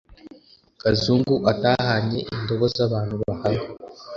kazungu atahanye indabo zabantu bahaba